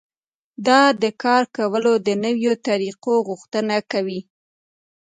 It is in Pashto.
دا د کار کولو د نويو طريقو غوښتنه کوي.